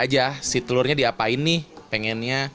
aja si telurnya diapain nih pengennya